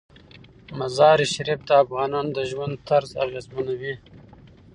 مزارشریف د افغانانو د ژوند طرز اغېزمنوي.